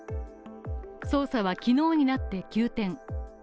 捜査は昨日になって急転。